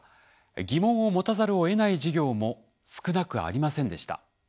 疑問を持たざるをえない事業も少なくありませんでした。